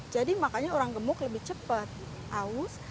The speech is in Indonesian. jadi makanya orang gemuk lebih cepat aus